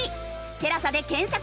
「テラサ」で検索！